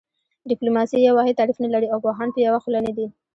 ډیپلوماسي یو واحد تعریف نه لري او پوهان په یوه خوله نه دي